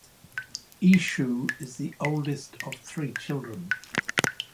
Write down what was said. Eshoo is the oldest of three children.